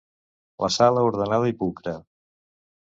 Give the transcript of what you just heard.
La sala ordenada i pulcra